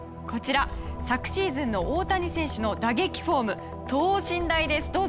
こちら昨シーズンの大谷選手の打撃フォーム等身大です。